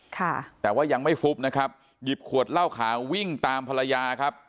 ค่ะแต่ว่ายังไม่ฟุบนะครับหยิบขวดเหล้าขาววิ่งตามภรรยาครับ